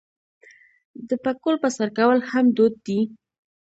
د پکول په سر کول هم دود دی.